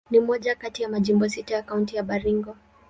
Ni moja kati ya majimbo sita ya Kaunti ya Baringo.